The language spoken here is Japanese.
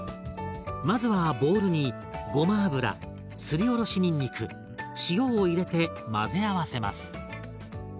まずはボウルにごま油すりおろしにんにく塩を入れて混ぜ合わせます。